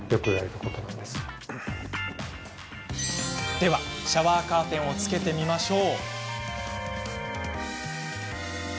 では、シャワーカーテンを付けてみましょう。